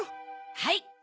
はい。